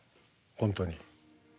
本当に。